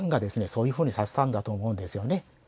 そういうふうにさせたんだと思うんですよね